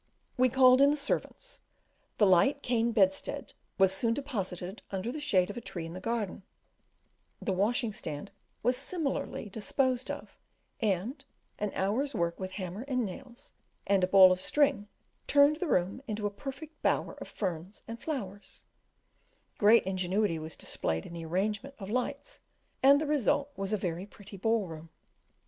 We called in the servants, the light cane bedstead was soon deposited under the shade of a tree in the garden, the washing stand was similarly disposed of, and an hour's work with hammer and nails and a ball of string turned the room into a perfect bower of ferns and flowers: great ingenuity was displayed in the arrangement of lights, and the result was a very pretty ball room.